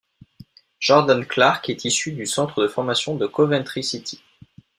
Jordan Clarke est issu du centre de formation de Coventry City.